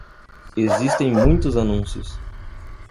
Existem muitos anúncios.